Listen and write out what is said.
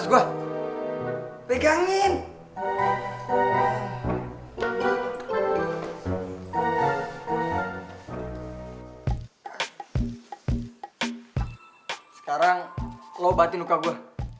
sekarang lo bantuin luka gue